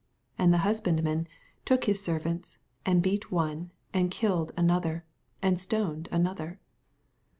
35 And the husbandmen took his servants, and beat one, and killed an other, and stoned another.